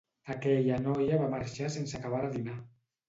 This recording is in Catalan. Aquella noia va marxar sense acabar de dinar